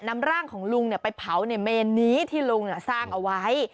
นำร่างของลุงเนี่ยไปเผาในเมณีที่ลุงเนี่ยสร้างเอาไว้